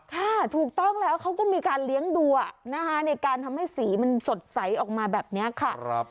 ถูกต้องแล้วเขาก็มีการเลี้ยงดูนะคะในการทำให้สีมันสดใสออกมาแบบนี้ค่ะ